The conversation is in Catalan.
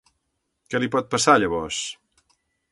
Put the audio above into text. Què li pot passar llavors?